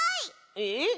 えっ？